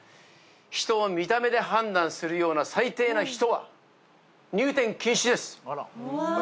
人を見た目で判断するような最低な人は入店禁止です。